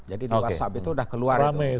jadi di whatsapp itu sudah keluar